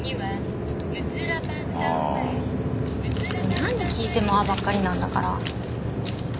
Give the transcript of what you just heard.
何聞いても「ああ」ばっかりなんだから。